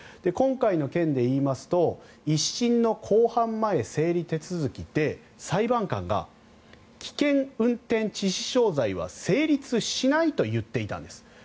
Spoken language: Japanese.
今回の件で言いますと１審の公判前整理手続きで裁判官が危険運転致死傷罪は成立しないと言っていたんです。